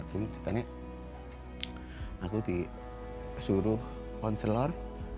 ternyata aku disuruh konselor